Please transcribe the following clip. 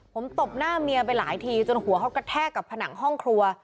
ผมตบหน้าเมียไปหลายทีจนหัวเขากระแทกกับผนังห้องครัว